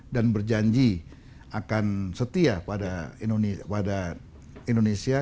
dan berjanji akan setia pada indonesia